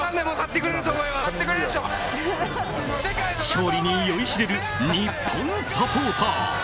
勝利に酔いしれる日本サポーター。